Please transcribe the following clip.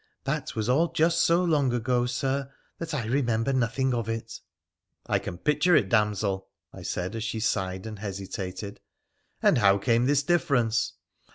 That was all just so long ago, Sir, that I remember nothing of it.' ' I can picture it, damsel,' I said, as she sighed and hesitated ;• and how came this difference